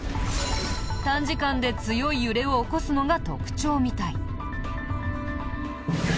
短時間で強い揺れを起こすのが特徴みたい。